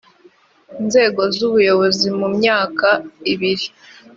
nzego z ubuyobozi mu myaka ibiri